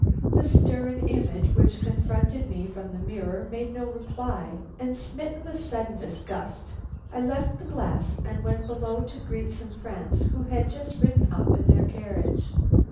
The stern image which confronted me from the mirror made me no reply, and smitten with sudden disgust, I left the glass and went below to greet some friends who had just ridden up in their carriage.